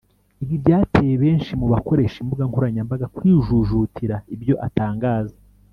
Ibi byateye benshi mu bakoresha imbuga nkoranyambaga kwijujutira ibyo atangaza